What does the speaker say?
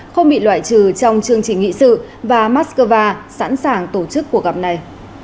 không bị loại trừ trong chương trình nghị sự và moscow sẵn sàng tổ chức cuộc gặp này